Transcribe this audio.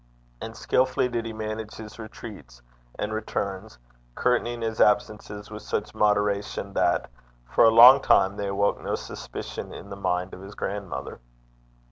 And skilfully did he manage his retreats and returns, curtailing his absences with such moderation that, for a long time, they awoke no suspicion in the mind of his grandmother.